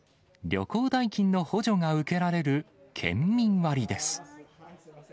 旅行代金の補助が受けられる県民割です。